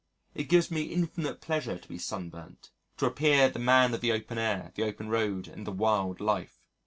It gives me infinite pleasure to be sunburnt to appear the man of the open air, the open road, and the wild life.